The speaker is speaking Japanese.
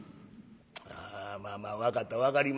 ああまあまあ分かった分かりました。